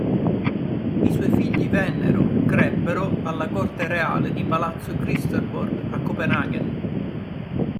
I suoi figli vennero crebbero alla corte reale di Palazzo di Christiansborg a Copenaghen.